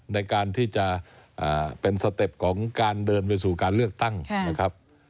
ในการที่จะเป็นสเต็ปของการเดินไปสู่การเลือกตั้งนะครับ